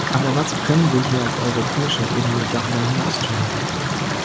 Aber was können wir hier, auf europäischer Ebene, darüber hinaus tun?